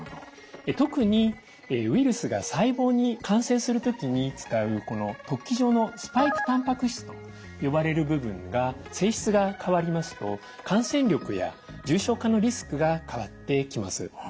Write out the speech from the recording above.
特にウイルスが細胞に感染する時に使うこの突起状のスパイクたんぱく質と呼ばれる部分が性質が変わりますと感染力や重症化のリスクが変わってきます。